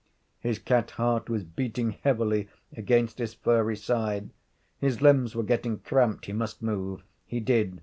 His cat heart was beating heavily against his furry side. His limbs were getting cramped he must move. He did.